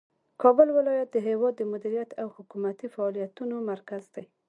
کابل ولایت د هیواد د مدیریت او حکومتي فعالیتونو مرکز دی.